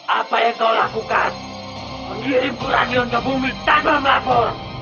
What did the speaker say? apa yang kau lakukan mengirim peradilan ke bumi tanpa melapor